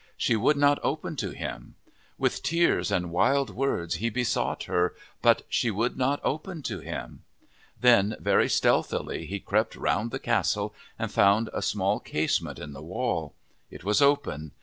She would not open to him. With tears and wild words he besought her, but she would not open to him. Then, very stealthily he crept round the castle and found a small casement in the wall. It was open.